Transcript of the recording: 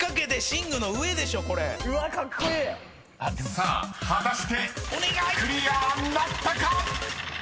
［さあ果たしてクリアなったか⁉］